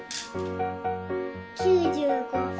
９５。